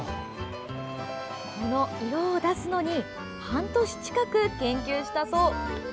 この色を出すのに半年近く研究したそう。